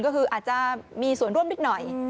ก็คืออาจจะมีส่วนร่วมนิดหน่อย